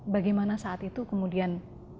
bagaimana saat itu kemudian